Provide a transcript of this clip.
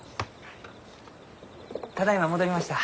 ただいま戻りました。